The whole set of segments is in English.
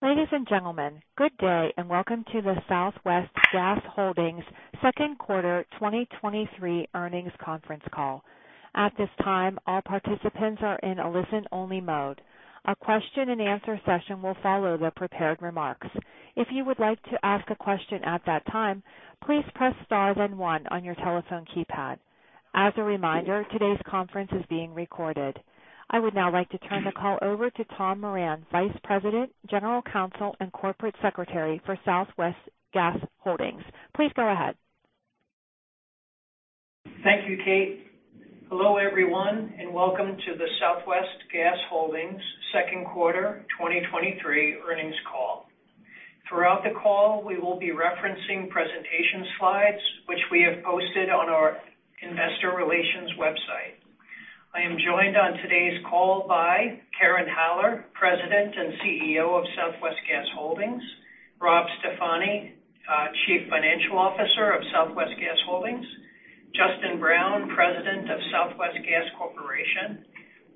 Ladies and gentlemen, good day, and welcome to the Southwest Gas Holdings second quarter 2023 earnings conference call. At this time, all participants are in a listen-only mode. A question and answer session will follow the prepared remarks. If you would like to ask a question at that time, please press star then one on your telephone keypad. As a reminder, today's conference is being recorded. I would now like to turn the call over to Tom Moran, Vice President, General Counsel, and Corporate Secretary for Southwest Gas Holdings. Please go ahead. Thank you, Kate. Hello, everyone, and welcome to the Southwest Gas Holdings second quarter 2023 earnings call. Throughout the call, we will be referencing presentation slides, which we have posted on our investor relations website. I am joined on today's call by Karen Haller, President and CEO of Southwest Gas Holdings; Rob Stefani, Chief Financial Officer of Southwest Gas Holdings; Justin Brown, President of Southwest Gas Corporation;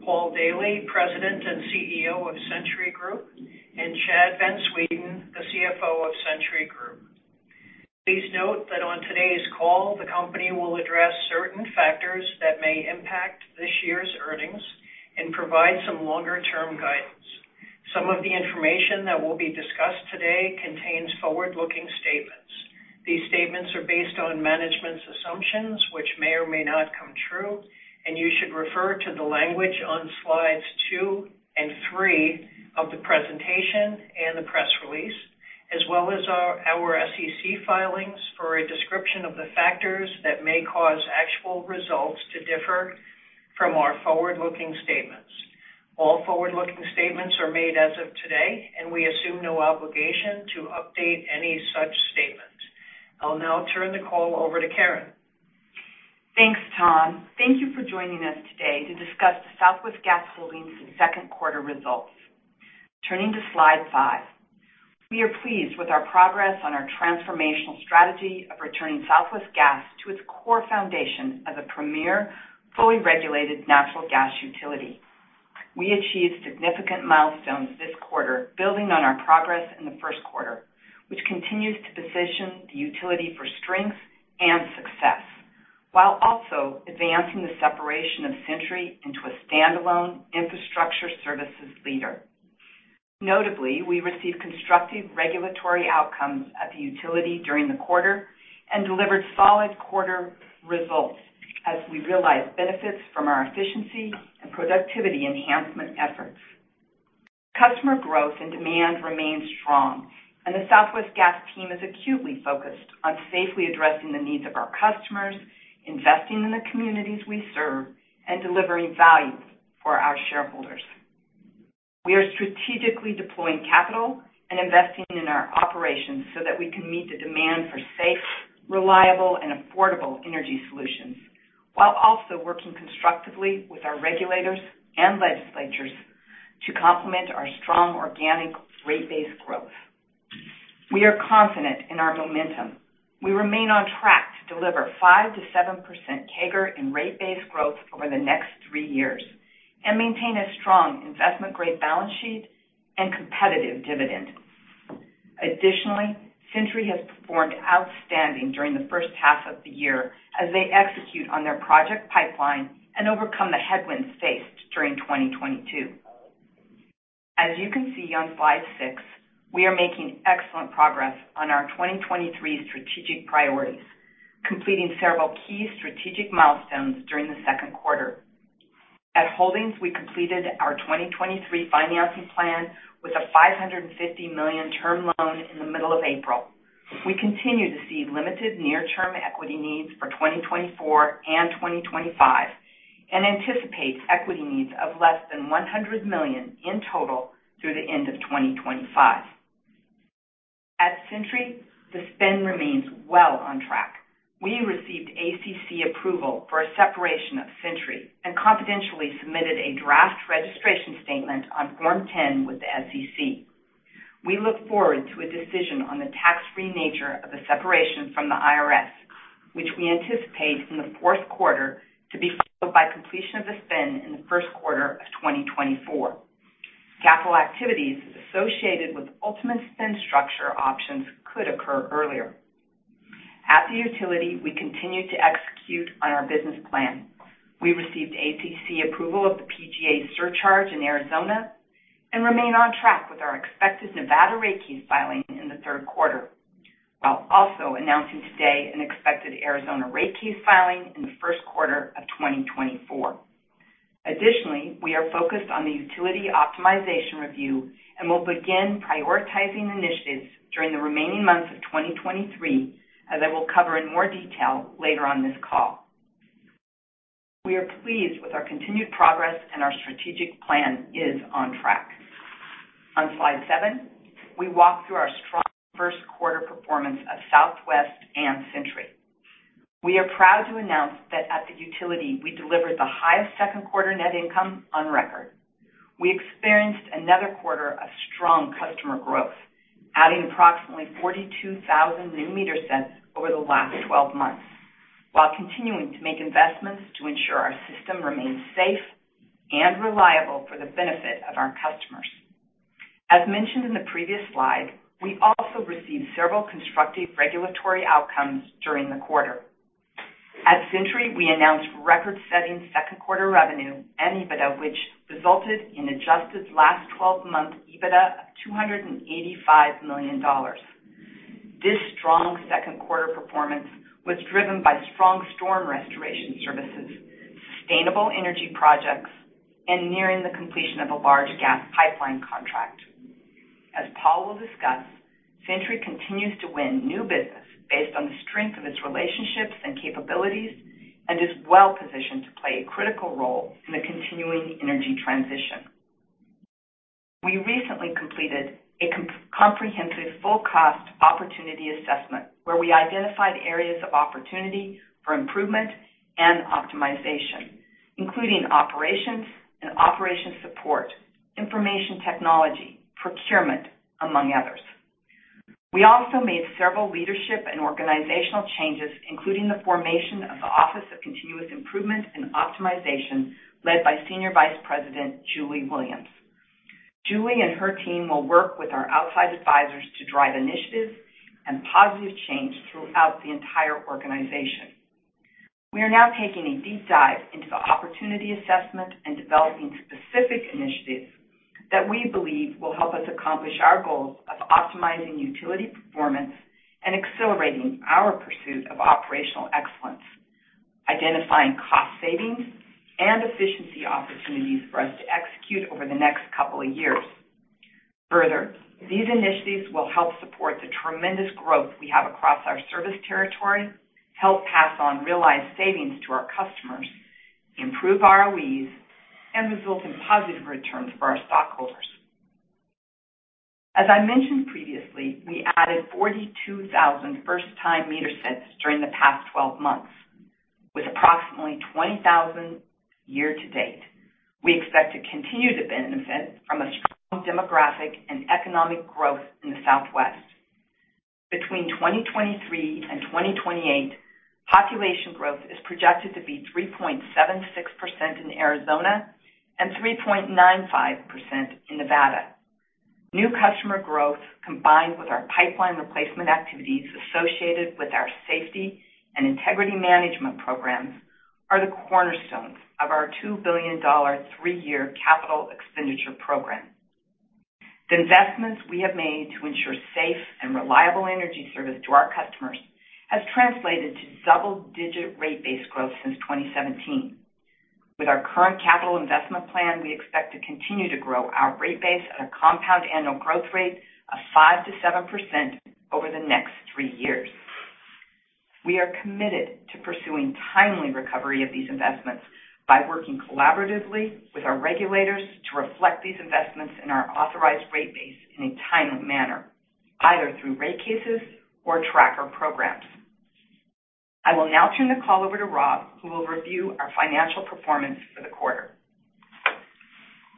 Paul Daily, President and CEO of Centuri Group, and Chad Van Sweden, the CFO of Centuri Group. Please note that on today's call, the company will address certain factors that may impact this year's earnings and provide some longer-term guidance. Some of the information that will be discussed today contains forward-looking statements. These statements are based on management's assumptions, which may or may not come true, and you should refer to the language on slides two and three of the presentation and the press release, as well as our SEC filings for a description of the factors that may cause actual results to differ from our forward-looking statements. All forward-looking statements are made as of today, and we assume no obligation to update any such statements. I'll now turn the call over to Karen. Thanks, Tom. Thank you for joining us today to discuss the Southwest Gas Holdings' second quarter results. Turning to slide five. We are pleased with our progress on our transformational strategy of returning Southwest Gas to its core foundation as a premier, fully regulated natural gas utility. We achieved significant milestones this quarter, building on our progress in the first quarter, which continues to position the utility for strength and success, while also advancing the separation of Centuri into a standalone infrastructure services leader. Notably, we received constructive regulatory outcomes at the utility during the quarter and delivered solid quarter results as we realized benefits from our efficiency and productivity enhancement efforts. Customer growth and demand remains strong, and the Southwest Gas team is acutely focused on safely addressing the needs of our customers, investing in the communities we serve, and delivering value for our shareholders. We are strategically deploying capital and investing in our operations so that we can meet the demand for safe, reliable, and affordable energy solutions, while also working constructively with our regulators and legislatures to complement our strong organic rate base growth. We are confident in our momentum. We remain on track to deliver 5%-7% CAGR in rate base growth over the next three years and maintain a strong investment-grade balance sheet and competitive dividend. Additionally, Centuri has performed outstanding during the first half of the year as they execute on their project pipeline and overcome the headwinds faced during 2022. As you can see on slide six, we are making excellent progress on our 2023 strategic priorities, completing several key strategic milestones during the second quarter. At Holdings, we completed our 2023 financing plan with a $550 million term loan in the middle of April. We continue to see limited near-term equity needs for 2024 and 2025 and anticipate equity needs of less than $100 million in total through the end of 2025. At Centuri, the spend remains well on track. We received ACC approval for a separation of Centuri and confidentially submitted a draft registration statement on Form 10 with the SEC. We look forward to a decision on the tax-free nature of the separation from the IRS, which we anticipate in the fourth quarter to be followed by completion of the spin in the first quarter of 2024. Capital activities associated with ultimate spin structure options could occur earlier. At the utility, we continue to execute on our business plan. We received ACC approval of the PGA surcharge in Arizona and remain on track with our expected Nevada rate case filing in the third quarter, while also announcing today an expected Arizona rate case filing in the first quarter of 2024. Additionally, we are focused on the utility optimization review and will begin prioritizing initiatives during the remaining months of 2023, as I will cover in more detail later on this call. We are pleased with our continued progress. Our strategic plan is on track. On slide seven, we walk through our strong first quarter performance of Southwest and Centuri. We are proud to announce that at the utility, we delivered the highest second quarter net income on record. We experienced another quarter of strong customer growth. adding approximately 42,000 new meter sets over the last 12 months, while continuing to make investments to ensure our system remains safe and reliable for the benefit of our customers. As mentioned in the previous slide, we also received several constructive regulatory outcomes during the quarter. At Centuri, we announced record-setting second quarter revenue and EBITDA, which resulted in adjusted last 12-month EBITDA of $285 million. This strong second quarter performance was driven by strong storm restoration services, sustainable energy projects, and nearing the completion of a large gas pipeline contract. As Paul will discuss, Centuri continues to win new business based on the strength of its relationships and capabilities and is well-positioned to play a critical role in the continuing energy transition. We recently completed a comprehensive full cost opportunity assessment, where we identified areas of opportunity for improvement and optimization, including operations and operation support, information technology, procurement, among others. We also made several leadership and organizational changes, including the formation of the Office of Continuous Improvement and Optimization, led by Senior Vice President Julie Williams. Julie and her team will work with our outside advisors to drive initiatives and positive change throughout the entire organization. We are now taking a deep dive into the opportunity assessment and developing specific initiatives that we believe will help us accomplish our goals of optimizing utility performance and accelerating our pursuit of operational excellence, identifying cost savings and efficiency opportunities for us to execute over the next couple of years. Further, these initiatives will help support the tremendous growth we have across our service territory, help pass on realized savings to our customers, improve ROEs, and result in positive returns for our stockholders. As I mentioned previously, we added 42,000 first-time meter sets during the past 12 months, with approximately 20,000 year to date. We expect to continue to benefit from a strong demographic and economic growth in the Southwest. Between 2023 and 2028, population growth is projected to be 3.76% in Arizona and 3.95% in Nevada. New customer growth, combined with our pipeline replacement activities associated with our safety and integrity management programs, are the cornerstones of our $2 billion three-year capital expenditure program. The investments we have made to ensure safe and reliable energy service to our customers has translated to double-digit rate base growth since 2017. With our current capital investment plan, we expect to continue to grow our rate base at a compound annual growth rate of 5%-7% over the next three years. We are committed to pursuing timely recovery of these investments by working collaboratively with our regulators to reflect these investments in our authorized rate base in a timely manner, either through rate cases or tracker programs. I will now turn the call over to Rob, who will review our financial performance for the quarter.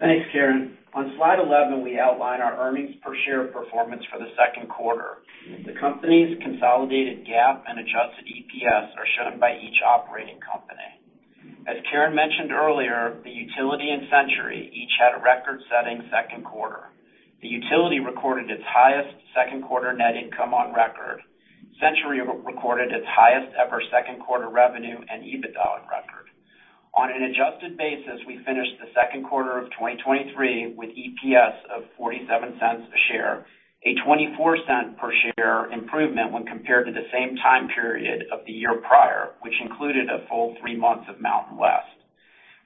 Thanks, Karen. On slide 11, we outline our earnings per share performance for the second quarter. The company's consolidated GAAP and adjusted EPS are shown by each operating company. As Karen mentioned earlier, the utility and Centuri each had a record-setting second quarter. The utility recorded its highest second quarter net income on record. Centuri re-recorded its highest-ever second quarter revenue and EBITDA on record. On an adjusted basis, we finished the second quarter of 2023 with EPS of $0.47 a share, a $0.24 per share improvement when compared to the same time period of the year prior, which included a full three months of MountainWest.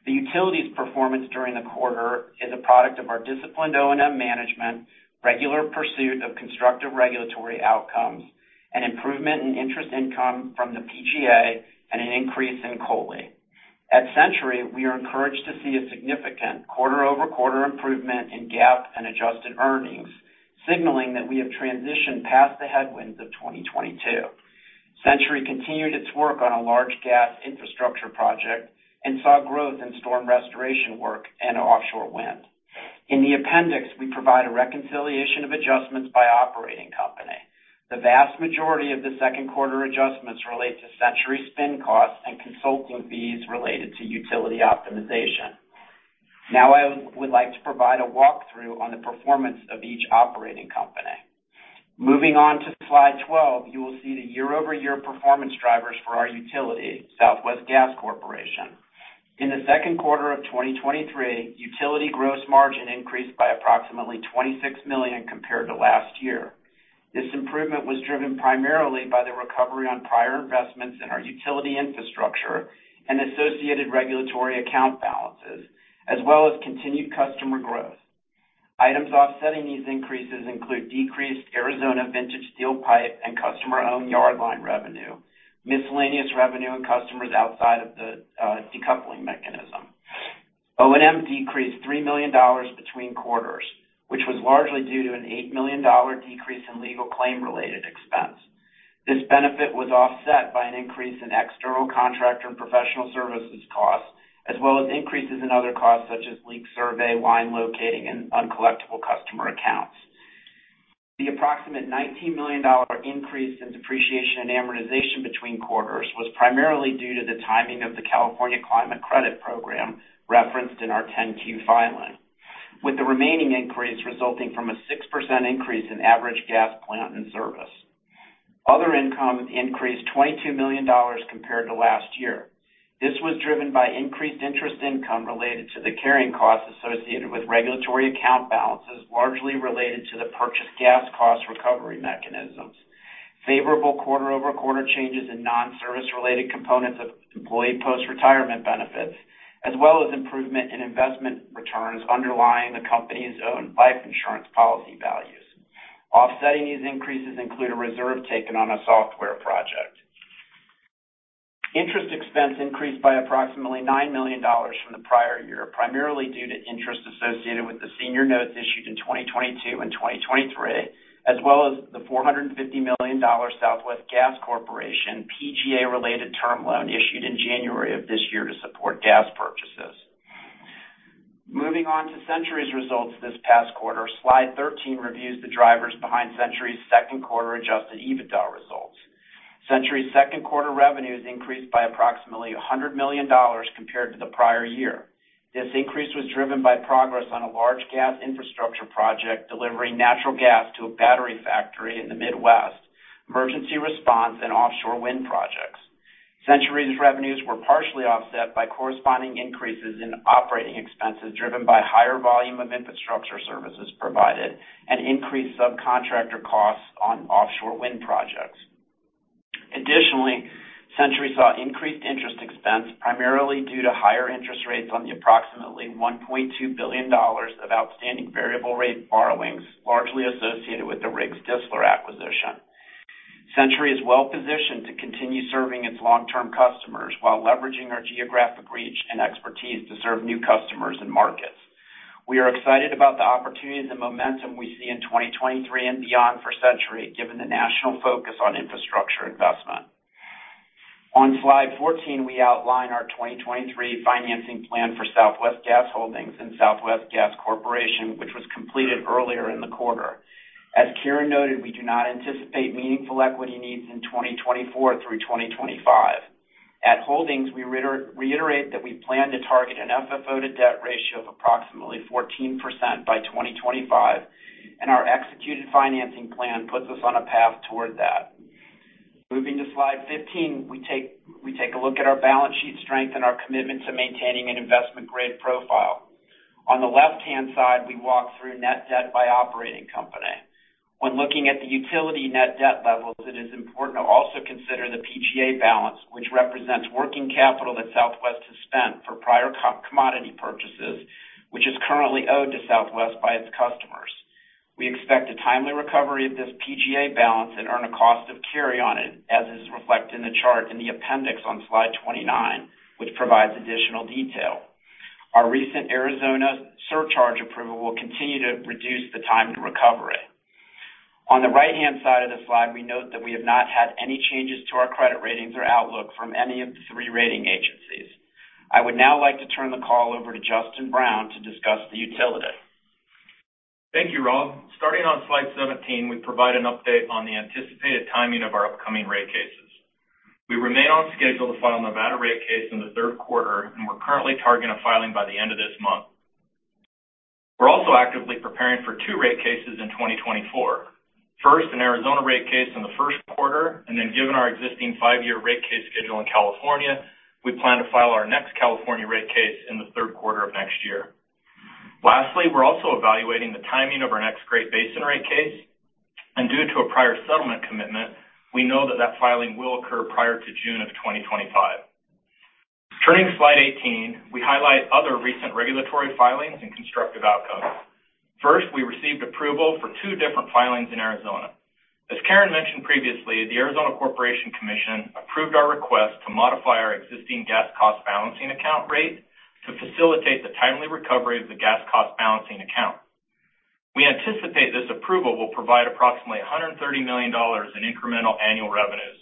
The utility's performance during the quarter is a product of our disciplined O&M management, regular pursuit of constructive regulatory outcomes, an improvement in interest income from the PGA, and an increase in COLI. At Centuri, we are encouraged to see a significant quarter-over-quarter improvement in GAAP and adjusted earnings, signaling that we have transitioned past the headwinds of 2022. Centuri continued its work on a large gas infrastructure project and saw growth in storm restoration work and offshore wind. In the appendix, we provide a reconciliation of adjustments by operating company. The vast majority of the second quarter adjustments relate to Centuri spin costs and consulting fees related to utility optimization. I would like to provide a walkthrough on the performance of each operating company. Moving on to slide 12, you will see the year-over-year performance drivers for our utility, Southwest Gas Corporation. In the second quarter of 2023, utility gross margin increased by approximately $26 million compared to last year. This improvement was driven primarily by the recovery on prior investments in our utility infrastructure and associated regulatory account balances, as well as continued customer growth. Items offsetting these increases include decreased Arizona vintage steel pipe and Customer-Owned Yard Line revenue, miscellaneous revenue, and customers outside of the decoupling mechanism. O&M decreased $3 million between quarters, which was largely due to an $8 million decrease in legal claim-related expense. This benefit was offset by an increase in external contractor and professional services costs, as well as increases in other costs such as leak survey, line locating, and uncollectible customer accounts. The approximate $19 million increase in depreciation and amortization between quarters was primarily due to the timing of the California Climate Credit Program, referenced in our 10-Q filing, with the remaining increase resulting from a 6% increase in average gas plant and service. Other income increased $22 million compared to last year. This was driven by increased interest income related to the carrying costs associated with regulatory account balances, largely related to the purchase gas cost recovery mechanisms. Favorable quarter-over-quarter changes in non-service related components of employee post-retirement benefits, as well as improvement in investment returns underlying the company's own life insurance policy values. Offsetting these increases include a reserve taken on a software project. Interest expense increased by approximately $9 million from the prior year, primarily due to interest associated with the senior notes issued in 2022 and 2023, as well as the $450 million Southwest Gas Corporation, PGA-related term loan issued in January of this year to support gas purchases. Moving on to Centuri's results this past quarter, slide 13 reviews the drivers behind Centuri's second quarter adjusted EBITDA results. Centuri's second quarter revenues increased by approximately $100 million compared to the prior year. This increase was driven by progress on a large gas infrastructure project, delivering natural gas to a battery factory in the Midwest, emergency response, and offshore wind projects. Centuri's revenues were partially offset by corresponding increases in operating expenses, driven by higher volume of infrastructure services provided and increased subcontractor costs on offshore wind projects. Additionally, Centuri saw increased interest expense, primarily due to higher interest rates on the approximately $1.2 billion of outstanding variable rate borrowings, largely associated with the Riggs Distler acquisition. Centuri is well-positioned to continue serving its long-term customers while leveraging our geographic reach and expertise to serve new customers and markets. We are excited about the opportunities and momentum we see in 2023 and beyond for Centuri, given the national focus on infrastructure investment. On slide 14, we outline our 2023 financing plan for Southwest Gas Holdings and Southwest Gas Corporation, which was completed earlier in the quarter. As Karen noted, we do not anticipate meaningful equity needs in 2024 through 2025. At holdings, we reiterate that we plan to target an FFO to debt ratio of approximately 14% by 2025, and our executed financing plan puts us on a path toward that. Moving to slide 15, we take a look at our balance sheet strength and our commitment to maintaining an investment grade profile. On the left-hand side, we walk through net debt by operating company. When looking at the utility net debt levels, it is important to also consider the PGA balance, which represents working capital that Southwest has spent for prior commodity purchases, which is currently owed to Southwest by its customers. We expect a timely recovery of this PGA balance and earn a cost of carry on it, as is reflected in the chart in the appendix on slide 29, which provides additional detail. Our recent Arizona surcharge approval will continue to reduce the time to recover it. On the right-hand side of the slide, we note that we have not had any changes to our credit ratings or outlook from any of the three rating agencies. I would now like to turn the call over to Justin Brown to discuss the utility. Thank you, Rob. Starting on slide 17, we provide an update on the anticipated timing of our upcoming rate cases. We remain on schedule to file Nevada rate case in the third quarter. We're currently targeting a filing by the end of this month. We're also actively preparing for two rate cases in 2024. First, an Arizona rate case in the first quarter. Given our existing five year rate case schedule in California, we plan to file our next California rate case in the third quarter of next year. Lastly, we're also evaluating the timing of our next Great Basin rate case. Due to a prior settlement commitment, we know that that filing will occur prior to June of 2025. Turning to slide 18, we highlight other recent regulatory filings and constructive outcomes. First, we received approval for two different filings in Arizona. As Karen mentioned previously, the Arizona Corporation Commission approved our request to modify our existing gas cost balancing account rate to facilitate the timely recovery of the gas cost balancing account. We anticipate this approval will provide approximately $130 million in incremental annual revenues.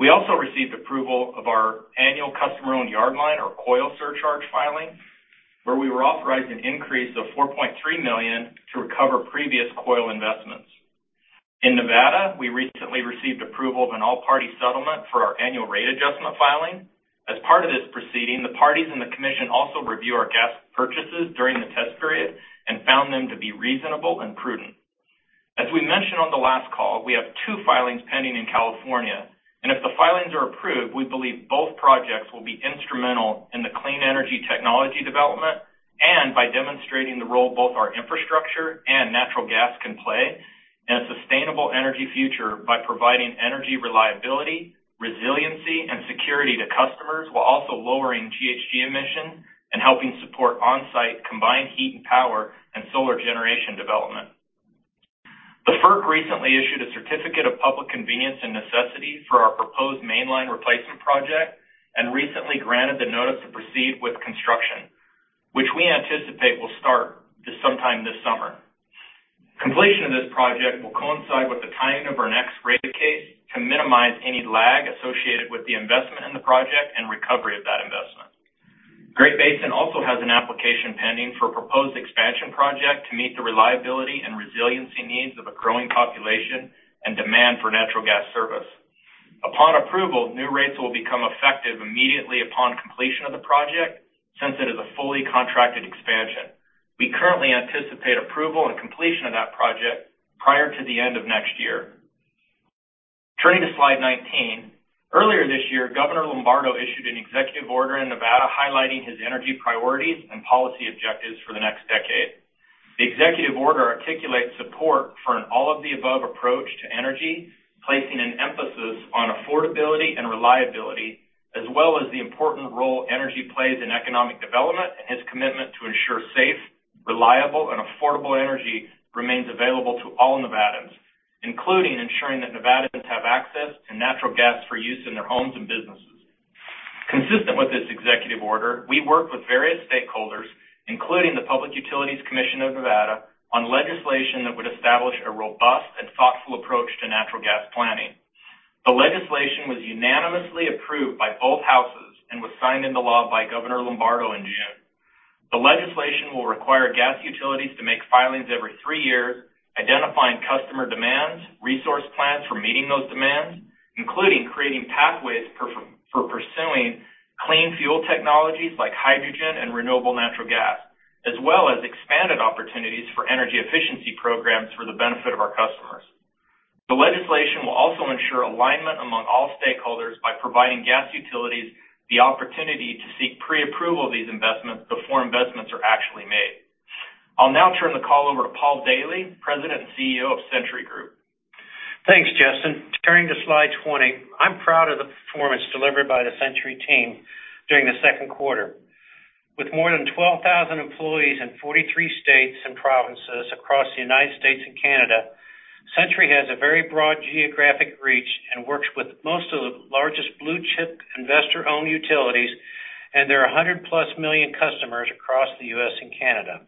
We also received approval of our annual Customer-Owned Yard Line, or COYL surcharge filing, where we were authorized an increase of $4.3 million to recover previous COYL investments. In Nevada, we recently received approval of an all-party settlement for our annual rate adjustment filing. As part of this proceeding, the parties and the commission also review our gas purchases during the test period and found them to be reasonable and prudent. As we mentioned on the last call, we have two filings pending in California, and if the filings are approved, we believe both projects will be instrumental in the clean energy technology development and by demonstrating the role both our infrastructure and natural gas can play in a sustainable energy future by providing energy reliability, resiliency, and security to customers, while also lowering GHG emission and helping support on-site combined heat and power and solar generation development. The FERC recently issued a certificate of public convenience and necessity for our proposed mainline replacement project, and recently granted the notice to proceed with construction, which we anticipate will start summer. Completion of this project will coincide with the timing of our next rate case to minimize any lag associated with the investment in the project and recovery of that investment. Great Basin also has an application pending for a proposed expansion project to meet the reliability and resiliency needs of a growing population and demand for natural gas service. Upon approval, new rates will become effective immediately upon completion of the project, since it is a fully contracted expansion. We currently anticipate approval and completion of that project prior to the end of next year. Turning to slide 19. Earlier this year, Governor Lombardo issued an executive order in Nevada highlighting his energy priorities and policy objectives for the next decade. The executive order articulates support for an all-of-the-above approach to energy, placing an emphasis on affordability and reliability, as well as the important role energy plays in economic development and his commitment to ensure safe, reliable, and affordable energy remains available to all Nevadans, including ensuring that Nevadans have access to natural gas for use in their homes and businesses. Consistent with this executive order, we work with various stakeholders, including the Public Utilities Commission of Nevada, on legislation that would establish a robust and thoughtful approach to natural gas planning. The legislation was unanimously approved by both houses and was signed into law by Governor Lombardo in June. The legislation will require gas utilities to make filings every three years, identifying customer demands, resource plans for meeting those demands, including creating pathways for pursuing clean fuel technologies like hydrogen and renewable natural gas, as well as expanded opportunities for energy efficiency programs for the benefit of our customers. The legislation will also ensure alignment among all stakeholders by providing gas utilities the opportunity to seek pre-approval of these investments before investments are actually made. I'll now turn the call over to Paul Daily, President and CEO of Centuri Group. Thanks, Justin. Turning to slide 20. I'm proud of the performance delivered by the Centuri team during the second quarter. With more than 12,000 employees in 43 states and provinces across the United States and Canada, Centuri has a very broad geographic reach and works with most of the largest blue-chip investor-owned utilities. There are 100+ million customers across the U.S. and Canada.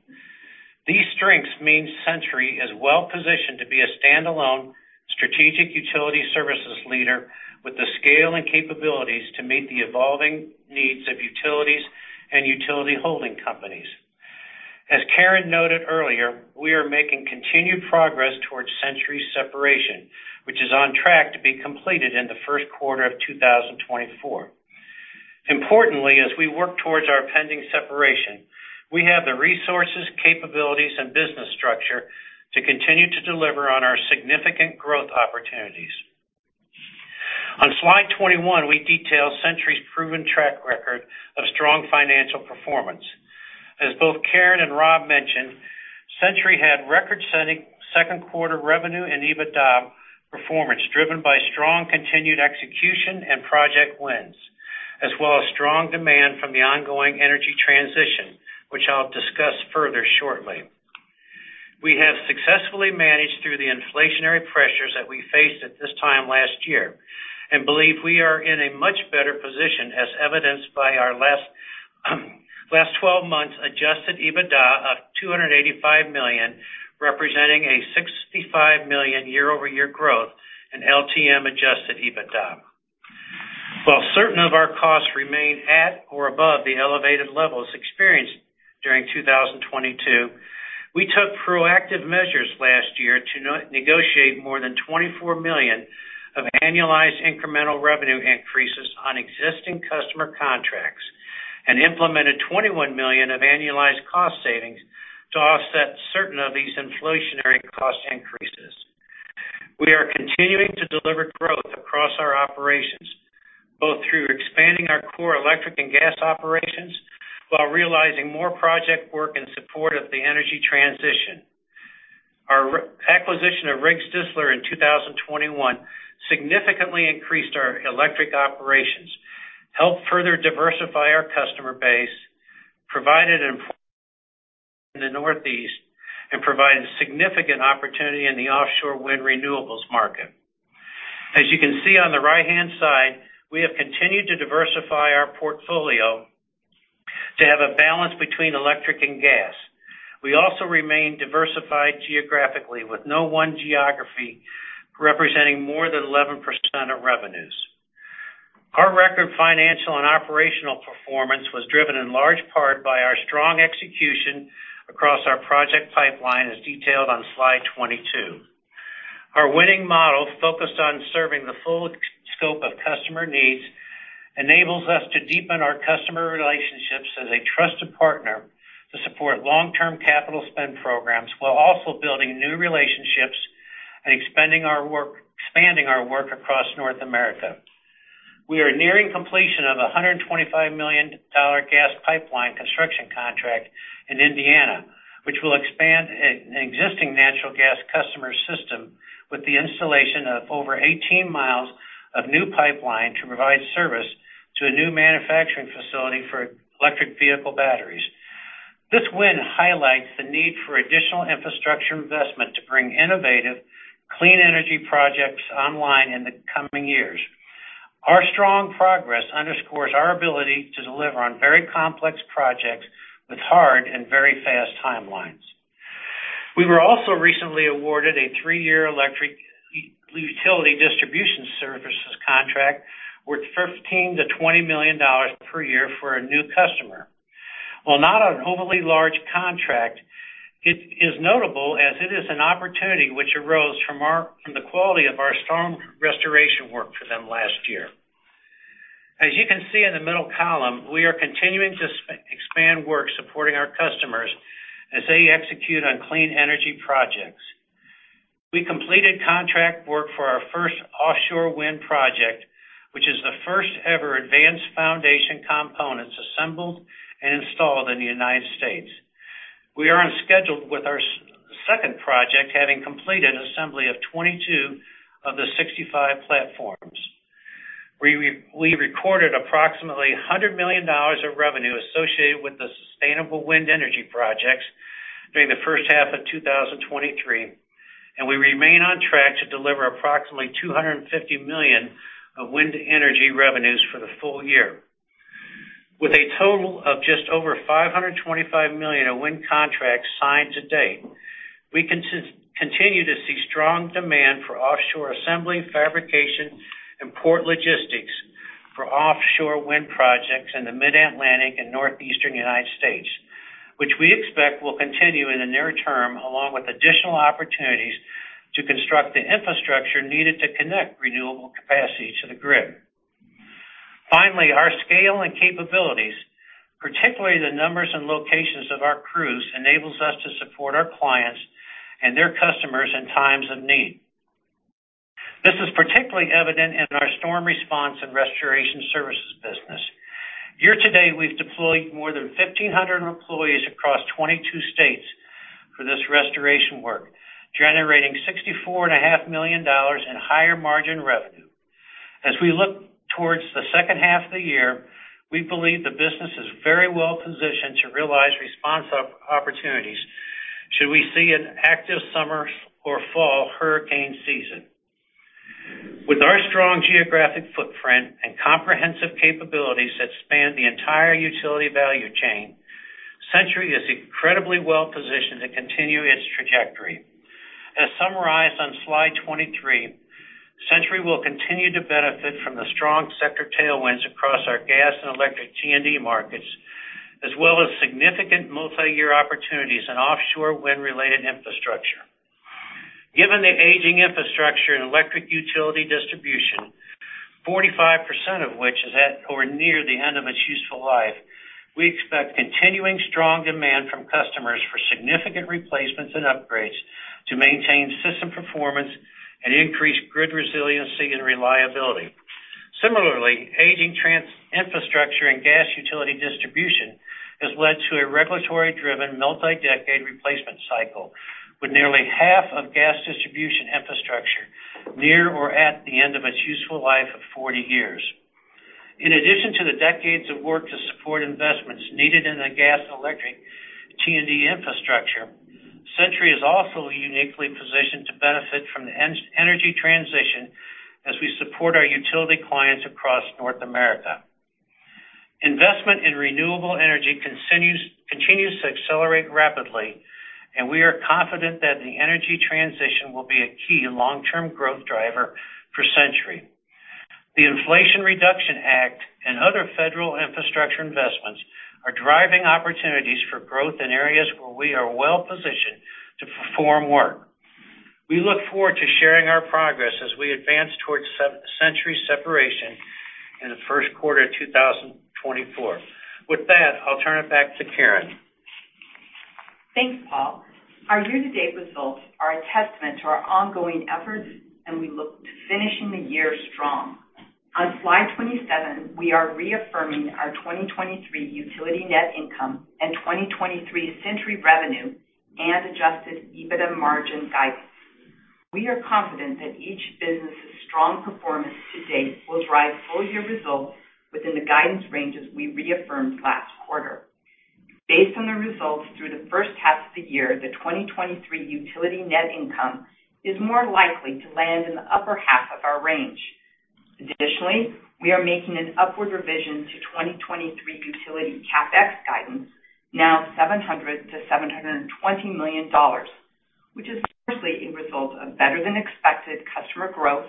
These strengths mean Centuri is well-positioned to be a standalone strategic utility services leader with the scale and capabilities to meet the evolving needs of utilities and utility holding companies. As Karen noted earlier, we are making continued progress towards Centuri's separation, which is on track to be completed in the first quarter of 2024. Importantly, as we work towards our pending separation, we have the resources, capabilities, and business structure to continue to deliver on our significant growth opportunities. On slide 21, we detail Centuri's proven track record of strong financial performance. As both Karen and Rob mentioned, Centuri had record-setting second quarter revenue and EBITDA performance, driven by strong continued execution and project wins, as well as strong demand from the ongoing energy transition, which I'll discuss further shortly. We have successfully managed through the inflationary pressures that we faced at this time last year and believe we are in a much better position, as evidenced by our last 12 months adjusted EBITDA of $285 million, representing a $65 million year-over-year growth in LTM adjusted EBITDA. While certain of our costs remain at or above the elevated levels experienced during 2022, we took proactive measures last year to negotiate more than $24 million of annualized incremental revenue increases on existing customer contracts and implemented $21 million of annualized cost savings to offset certain of these inflationary cost increases. We are continuing to deliver growth across our operations, both through expanding our core electric and gas operations while realizing more project work in support of the energy transition. Our reacquisition of Riggs Distler in 2021 significantly increased our electric operations, helped further diversify our customer base, provided an in the Northeast, and provided significant opportunity in the offshore wind renewables market. As you can see on the right-hand side, we have continued to diversify our portfolio to have a balance between electric and gas. We also remain diversified geographically, with no one geography representing more than 11% of revenues. Our record financial and operational performance was driven in large part by our strong execution across our project pipeline, as detailed on slide 22. Our winning model, focused on serving the full scope of customer needs, enables us to deepen our customer relationships as a trusted partner to support long-term capital spend programs, while also building new relationships and expanding our work across North America. We are nearing completion of a $125 million gas pipeline construction contract in Indiana, which will expand an existing natural gas customer system with the installation of over 18 miles of new pipeline to provide service to a new manufacturing facility for electric vehicle batteries. This win highlights the need for additional infrastructure investment to bring innovative, clean energy projects online in the coming years. Our strong progress underscores our ability to deliver on very complex projects with hard and very fast timelines. We were also recently awarded a three-year electric utility distribution services contract worth $15 million-$20 million per year for a new customer. While not an overly large contract, it is notable as it is an opportunity which arose from the quality of our storm restoration work for them last year. As you can see in the middle column, we are continuing to expand work supporting our customers as they execute on clean energy projects. We completed contract work for our first offshore wind project, which is the first-ever advanced foundation components assembled and installed in the United States. We are on schedule with our second project, having completed assembly of 22 of the 65 platforms. We, we, we recorded approximately $100 million of revenue associated with the sustainable wind energy projects during the first half of 2023, and we remain on track to deliver approximately $250 million of wind energy revenues for the full year. With a total of just over $525 million of wind contracts signed to date, we continue to see strong demand for offshore assembly, fabrication, and port logistics for offshore wind projects in the Mid-Atlantic and Northeastern United States, which we expect will continue in the near term, along with additional opportunities to construct the infrastructure needed to connect renewable capacity to the grid. Finally, our scale and capabilities, particularly the numbers and locations of our crews, enables us to support our clients and their customers in times of need. This is particularly evident in our storm response and restoration services business. Year to date, we've deployed more than 1,500 employees across 22 states for this restoration work, generating $64.5 million in higher margin revenue. As we look towards the second half of the year, we believe the business is very well positioned to realize response opportunities should we see an active summer or fall hurricane season. With our strong geographic footprint and comprehensive capabilities that span the entire utility value chain, Centuri is incredibly well positioned to continue its trajectory. As summarized on slide 23, Centuri will continue to benefit from the strong sector tailwinds across our gas and electric T&D markets, as well as significant multiyear opportunities in offshore wind-related infrastructure. Given the aging infrastructure and electric utility distribution, 45% of which is at or near the end of its useful life, we expect continuing strong demand from customers for significant replacements and upgrades to maintain system performance and increase grid resiliency and reliability. Similarly, aging infrastructure and gas utility distribution has led to a regulatory-driven multi-decade replacement cycle, with nearly half of gas distribution infrastructure near or at the end of its useful life of 40 years. In addition to the decades of work to support investments needed in the gas electric T&D infrastructure, Centuri is also uniquely positioned to benefit from the energy transition as we support our utility clients across North America. Investment in renewable energy continues, continues to accelerate rapidly. We are confident that the energy transition will be a key long-term growth driver for Centuri. The Inflation Reduction Act and other federal infrastructure investments are driving opportunities for growth in areas where we are well positioned to perform work. We look forward to sharing our progress as we advance towards Centuri separation in the first quarter of 2024. With that, I'll turn it back to Karen. Thanks, Paul. Our year-to-date results are a testament to our ongoing efforts, and we look to finishing the year strong. On slide 27, we are reaffirming our 2023 utility net income and 2023 Centuri revenue and adjusted EBITDA margin guidance. We are confident that each business's strong performance to date will drive full year results within the guidance ranges we reaffirmed last quarter. Based on the results through the first half of the year, the 2023 utility net income is more likely to land in the upper half of our range. Additionally, we are making an upward revision to 2023 utility CapEx guidance, now $700 million-$720 million, which is partially a result of better-than-expected customer growth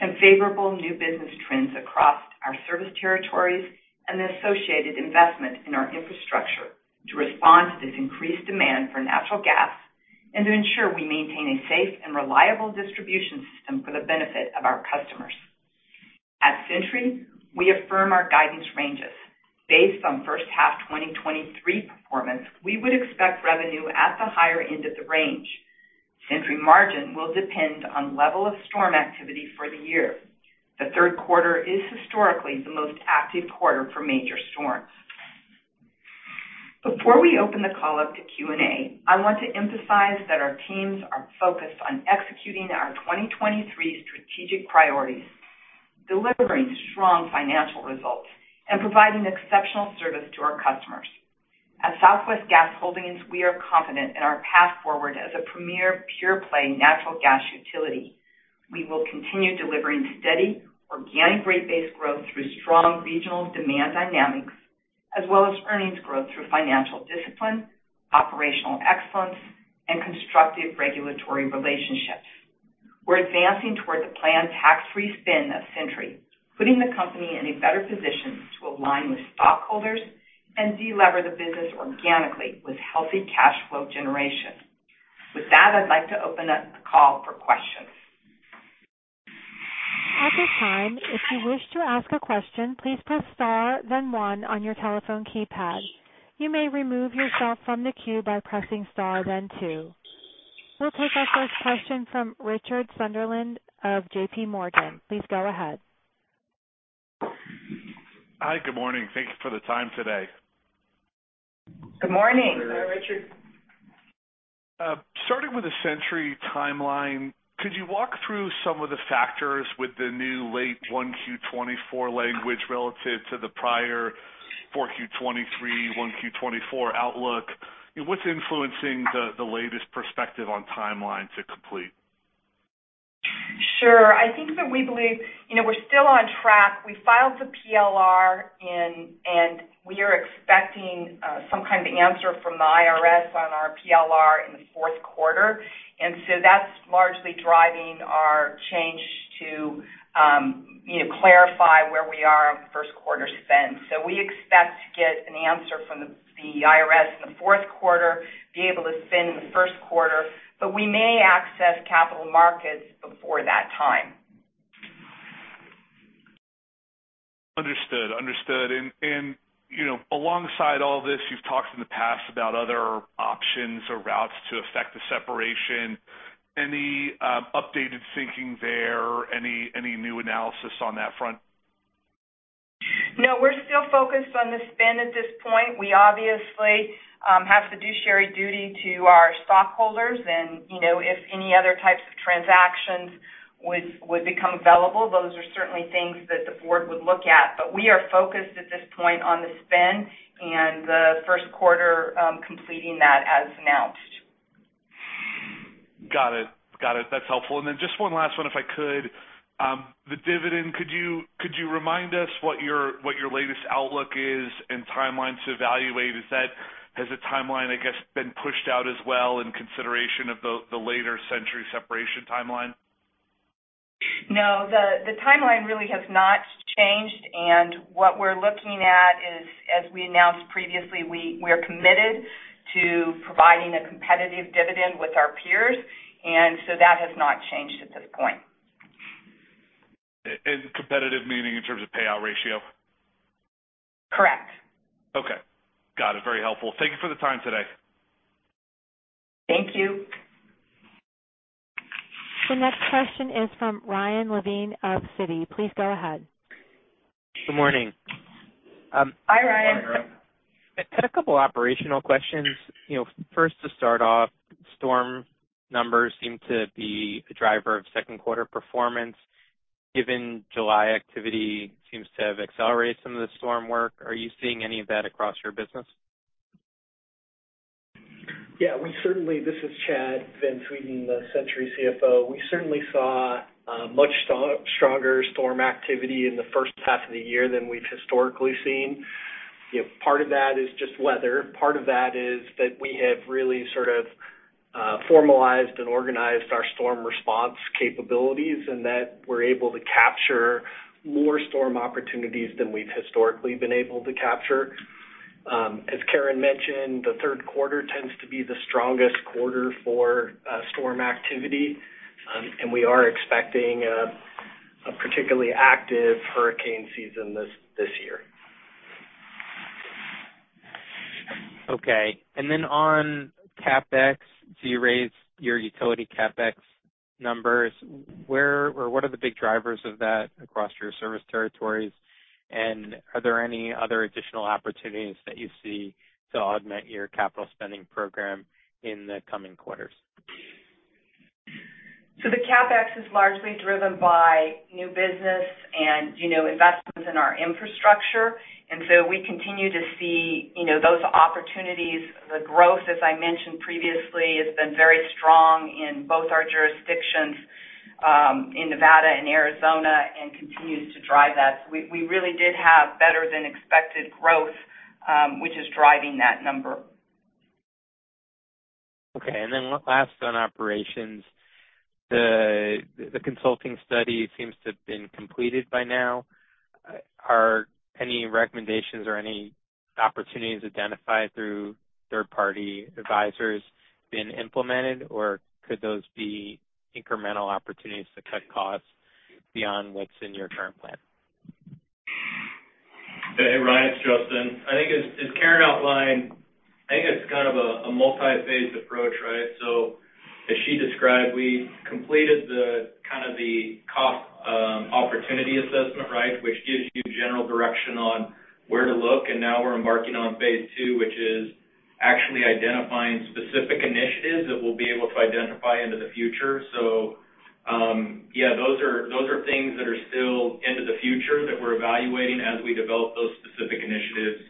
and favorable new business trends across our service territories and the associated investment in our infrastructure to respond to this increased demand for natural gas and to ensure we maintain a safe and reliable distribution system for the benefit of our customers. At Centuri, we affirm our guidance ranges. Based on first half 2023 performance, we would expect revenue at the higher end of the range. Centuri margin will depend on level of storm activity for the year. The third quarter is historically the most active quarter for major storms. Before we open the call up to Q&A, I want to emphasize that our teams are focused on executing our 2023 strategic priorities, delivering strong financial results, and providing exceptional service to our customers. At Southwest Gas Holdings, we are confident in our path forward as a premier pure-play natural gas utility. We will continue delivering steady, organic, rate-based growth through strong regional demand dynamics, as well as earnings growth through financial discipline, operational excellence, and constructive regulatory relationships. We're advancing toward the planned tax-free spin of Centuri, putting the company in a better position to align with stockholders and delever the business organically with healthy cash flow generation. With that, I'd like to open up the call for questions. At this time, if you wish to ask a question, please press star then one on your telephone keypad. You may remove yourself from the queue by pressing star then two. We'll take our first question from Richard Sunderland of JPMorgan. Please go ahead. Hi, good morning. Thank you for the time today. Good morning. Hi, Richard. Starting with the Centuri timeline, could you walk through some of the factors with the new late 1Q 2024 language relative to the prior 4Q 2023, 1Q 2024 outlook? What's influencing the latest perspective on timeline to complete? Sure. I think that we believe, you know, we're still on track. We filed the PLR and we are expecting some kind of answer from the I.R.S. on our PLR in the fourth quarter, that's largely driving our change to, you know, clarify where we are on the first quarter spin. We expect to get an answer from the I.R.S. in the fourth quarter, be able to spin in the first quarter, we may access capital markets before that time. Understood. Understood. You know, alongside all this, you've talked in the past about other options or routes to affect the separation. Any updated thinking there? Any new analysis on that front? No, we're still focused on the spin at this point. We obviously, have fiduciary duty to our stockholders. You know, if any other types of transactions would, would become available, those are certainly things that the board would look at. We are focused at this point on the spin and the first quarter, completing that as announced. Got it. Got it. That's helpful. Just one last one, if I could. The dividend, could you, could you remind us what your, what your latest outlook is and timeline to evaluate? Is that-- has the timeline, I guess, been pushed out as well in consideration of the, the later Centuri separation timeline? No, the, the timeline really has not changed, and what we're looking at is, as we announced previously, we-we are committed to providing a competitive dividend with our peers, and so that has not changed at this point. Competitive meaning in terms of payout ratio? Correct. Okay. Got it. Very helpful. Thank you for the time today. Thank you. The next question is from Ryan Levine of Citigroup. Please go ahead. Good morning. Hi, Ryan. I had a couple operational questions. You know, first, to start off, storm numbers seem to be a driver of second quarter performance. Given July activity seems to have accelerated some of the storm work, are you seeing any of that across your business? Yeah, we certainly. This is Chad Van Sweden, the Centuri CFO. We certainly saw much stronger storm activity in the first half of the year than we've historically seen. You know, part of that is just weather. Part of that is that we have really sort of formalized and organized our storm response capabilities, and that we're able to capture more storm opportunities than we've historically been able to capture. As Karen mentioned, the third quarter tends to be the strongest quarter for storm activity, and we are expecting a particularly active hurricane season this, this year. Okay. On CapEx, you raised your utility CapEx numbers. Where or what are the big drivers of that across your service territories? Are there any other additional opportunities that you see to augment your capital spending program in the coming quarters? The CapEx is largely driven by new business and, you know, investments in our infrastructure, we continue to see, you know, those opportunities. The growth, as I mentioned previously, has been very strong in both our jurisdictions, in Nevada and Arizona, continues to drive that. We, we really did have better-than-expected growth, which is driving that number. Okay, one last on operations. The consulting study seems to have been completed by now. Are any recommendations or any opportunities identified through third-party advisors been implemented, or could those be incremental opportunities to cut costs beyond what's in your current plan? Hey, Ryan, it's Justin. I think as, as Karen outlined, I think it's kind of a, a multiphase approach, right? As she described, we completed the kind of the cost, opportunity assessment, right? Which gives you general direction on where to look, and now we're embarking on Phase II, which is actually identifying specific initiatives that we'll be able to identify into the future. Yeah, those are, those are things that are still into the future that we're evaluating as we develop those specific initiatives,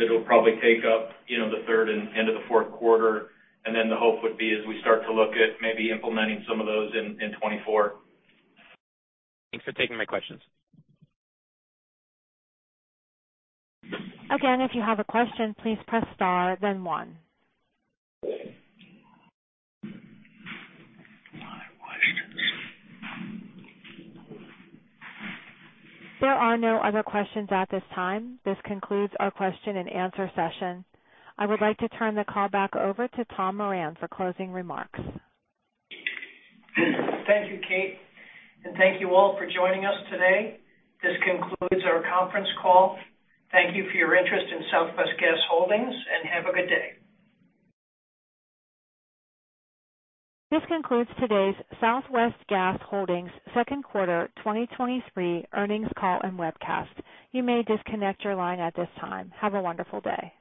that will probably take up, you know, the third and end of the fourth quarter. The hope would be, as we start to look at maybe implementing some of those in, in 2024. Thanks for taking my questions. Again, if you have a question, please press star then one. There are no other questions at this time. This concludes our question and answer session. I would like to turn the call back over to Thomas Moran for closing remarks. Thank you, Kate, and thank you all for joining us today. This concludes our conference call. Thank you for your interest in Southwest Gas Holdings, and have a good day. This concludes today's Southwest Gas Holdings second quarter 2023 earnings call and webcast. You may disconnect your line at this time. Have a wonderful day.